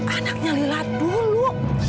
anaknya lilat dulu